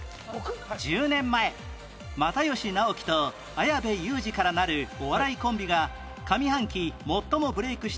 １０年前又吉直樹と綾部祐二からなるお笑いコンビが上半期“最もブレイクした”